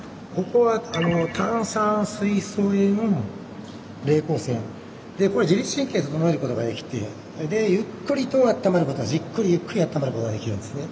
これは自律神経整えることができてでゆっくりとあったまることじっくりゆっくりあったまることができるんですね。